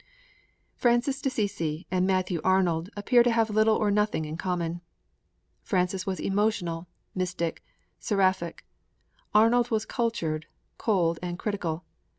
_' VI Francis d'Assisi and Matthew Arnold appear to have little or nothing in common. Francis was emotional, mystical, seraphic; Arnold was cultured, cold, and critical.